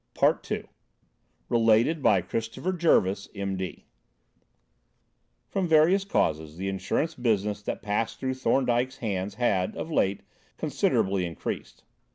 PART II (Related by Christopher Jervis, M.D.) From various causes, the insurance business that passed through Thorndyke's hands had, of late, considerably increased.